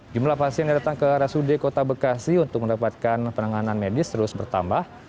jumlah pasien yang datang ke rsud kota bekasi untuk mendapatkan penanganan medis terus bertambah